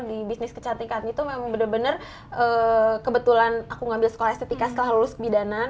di bisnis kecantikan itu memang benar benar kebetulan aku ngambil sekolah estetika setelah lulus kebidanan